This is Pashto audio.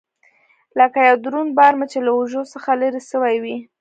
لکه يو دروند بار مې چې له اوږو څخه لرې سوى وي.